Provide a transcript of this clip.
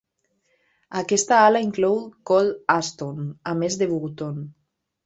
Aquesta ala inclou Cold Aston, a més de Bourton.